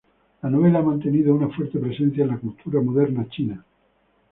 La novela ha mantenido una fuerte presencia en la cultura moderna china.